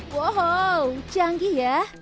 wow canggih ya